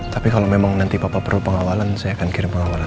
tapi kalau memang nanti bapak perlu pengawalan saya akan kirim pengawalan